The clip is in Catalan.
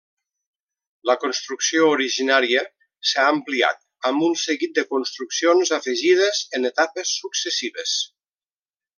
La construcció originària s'ha ampliat amb un seguit de construccions afegides en etapes successives.